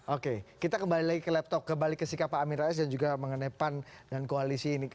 oke kita kembali lagi ke laptop kembali ke sikap pak amin rais dan juga mengenai pan dan koalisi ini